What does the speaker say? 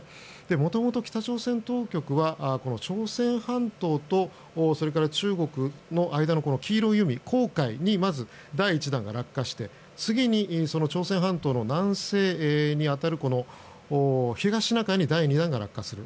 元々、北朝鮮当局は朝鮮半島とそれから中国の間の黄色い海黄海にまず第１弾が落下して次に朝鮮半島の南西に当たる東シナ海に第２弾が落下する。